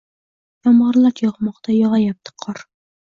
Yomg‘irlar yog‘moqda, yog‘ayapti qor